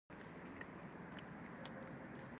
د هدیرو د پلنوالي جریان ته د پای ټکی ږدو.